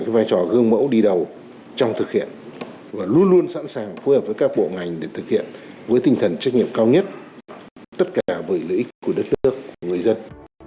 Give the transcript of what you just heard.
vai trò gương mẫu đi đầu trong thực hiện và luôn luôn sẵn sàng phối hợp với các bộ ngành để thực hiện với tinh thần trách nhiệm cao nhất tất cả bởi lợi ích của đất nước của người dân